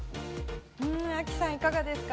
亜希さん、いかがですか？